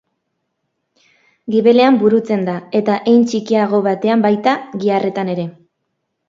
Gibelean burutzen da, eta hein txikiago batean baita giharretan ere.